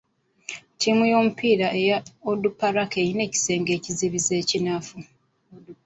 Ttiimu y'omupiira eya Onduparaka erina ekisenge ekizibizi ekinafu.